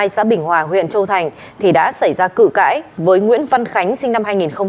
xã bình hòa huyện châu thành thì đã xảy ra cự cãi với nguyễn văn khánh sinh năm hai nghìn